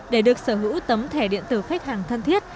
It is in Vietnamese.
để được sở hữu tấm thẻ điện tử khách hàng thân thiết